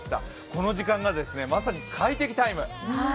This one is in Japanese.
この時間がまさに快適タイム。